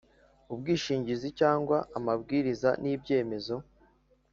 ubwishingizi cyangwa amabwiriza nibyemezo